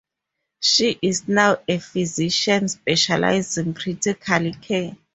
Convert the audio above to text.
She is now a physician specializing critical care.